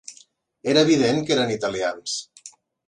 Era evident que eren italians